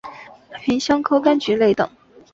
芸香科柑橘类等。